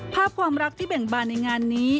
ภาพความรักที่เบ่งบานในงานนี้